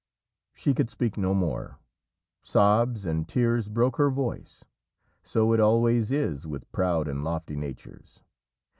She could speak no more. Sobs and tears broke her voice. So it always is with proud and lofty natures.